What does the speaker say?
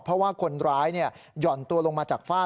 เพราะว่าคนร้ายหย่อนตัวลงมาจากฝ้า